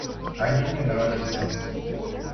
Они мне нравятся.